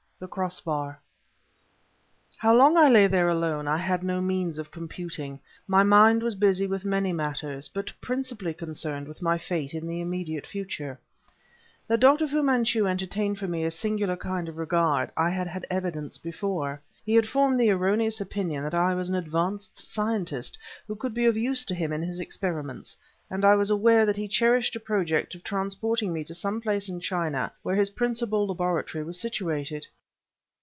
THE CROSS BAR How long I lay there alone I had no means of computing. My mind was busy with many matters, but principally concerned with my fate in the immediate future. That Dr. Fu Manchu entertained for me a singular kind of regard, I had had evidence before. He had formed the erroneous opinion that I was an advanced scientist who could be of use to him in his experiments and I was aware that he cherished a project of transporting me to some place in China where his principal laboratory was situated.